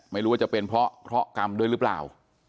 ไม่รู้ว่าจะเป็นเพราะเคราะหกรรมด้วยหรือเปล่า